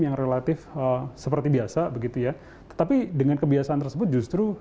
yang relatif seperti biasa tetapi dengan kebiasaan tersebut justru